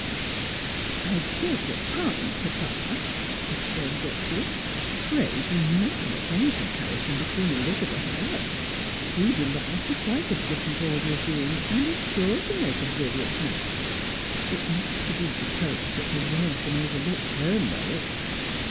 " I beg your pardon, papa," exclaimed Gertrude. " Praj "i^ not make any comjiarison between Elizabeth and us. The belongs to quite a diti'erent order of beings, ^ud is sure to make 130 Strangers and Filgrims. a brilliant match. It ia not to be supposed that the world can overlook her merits."